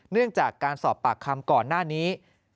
เนื่องจากการสอบปากคำก่อนหน้านี้